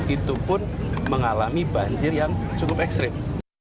itu pun mengalami banjir yang cukup ekstrim